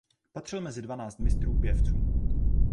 Patřil mezi dvanáct mistrů pěvců.